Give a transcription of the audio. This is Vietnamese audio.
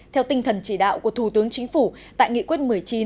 theo tinh thần chỉ đạo của thủ tướng chính phủ tại nghị quyết một mươi chín